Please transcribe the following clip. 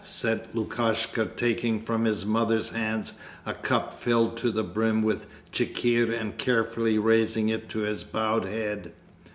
said Lukashka, taking from his mother's hands a cup filled to the brim with chikhir and carefully raising it to his bowed head.